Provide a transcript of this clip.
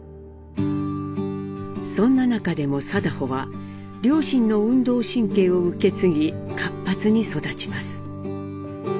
そんな中でも禎穗は両親の運動神経を受け継ぎ活発に育ちます。